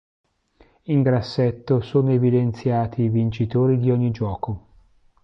In grassetto sono evidenziati i vincitori di ogni gioco.